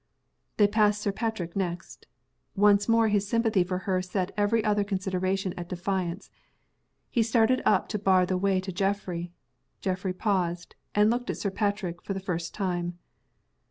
They passed Sir Patrick next. Once more his sympathy for her set every other consideration at defiance. He started up to bar the way to Geoffrey. Geoffrey paused, and looked at Sir Patrick for the first time.